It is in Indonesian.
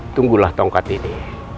tunggulah tongkat ini